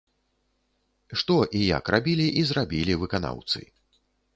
Што і як рабілі і зрабілі выканаўцы.